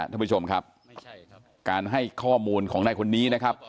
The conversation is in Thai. ท่านผู้ชมครับการให้ข้อมูลของนายคนนี้นะครับ